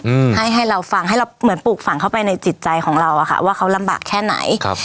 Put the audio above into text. อืมให้ให้เราฟังให้เราเหมือนปลูกฝังเข้าไปในจิตใจของเราอะค่ะว่าเขาลำบากแค่ไหนครับ